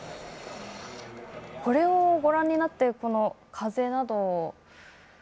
これをご覧になって風など。